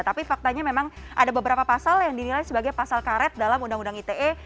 tapi faktanya memang ada beberapa pasal yang dinilai sebagai pasal karet dalam undang undang ite